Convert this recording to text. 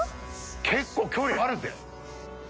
結構距離あるぜ。